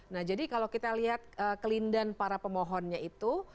nah jadi kalau kita lihat kelindan para pemohonnya itu